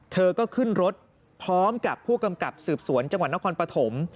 เธอก็ขึ้นรถพร้อมกับผู้กำกับสืบสวนจังหวัดนครปฐม